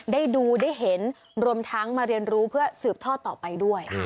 ได้ดูได้เห็นรวมทั้งมาเรียนรู้เพื่อสืบทอดต่อไปด้วย